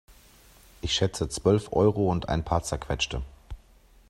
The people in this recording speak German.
Ich schätze zwölf Euro und ein paar Zerquetschte.